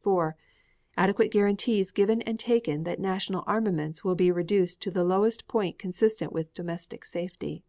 4. Adequate guarantees given and taken that national armaments will be reduced to the lowest point consistent with domestic safety.